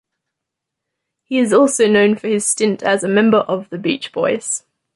He is also known for his stint as a member of The Beach Boys.